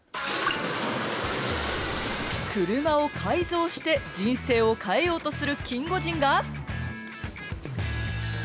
車を改造して人生を変えようとするキンゴジンが。